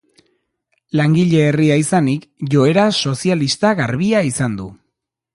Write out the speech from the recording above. Langile herria izanik joera sozialista garbia izan du.